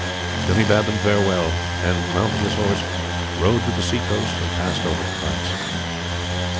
Then he bade them farewell, and mounting his horse rode to the seacoast and passed over to France.